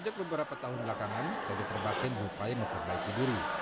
sejak beberapa tahun belakangan tg terbakin berupaya memperbaiki duri